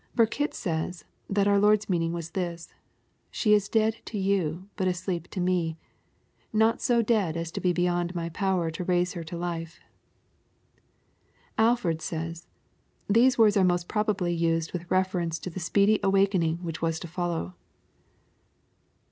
Burkitt says, that our Lord's meaning was this :—^^ She is dead to you, but asleep to me ; not so dead as to be beyond my power to raise her to life." Alford says —" The words are most probably used with refer ence to the speedy awakening which was to follow.